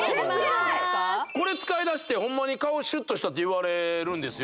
これ使い出してホンマに顔シュッとしたって言われるんですよ